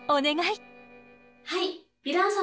はいヴィラン様